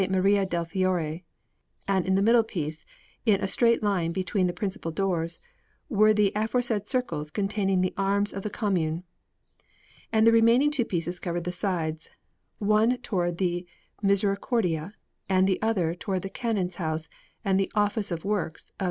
Maria del Fiore; and in the middle piece, in a straight line between the principal doors, were the aforesaid circles containing the arms of the Commune. And the remaining two pieces covered the sides one towards the Misericordia, and the other towards the Canon's house and the Office of Works of S.